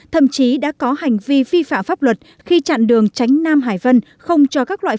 thậm chí đã có hành vi vi phạm pháp luật khi chặn đường tránh nam hải và hà nội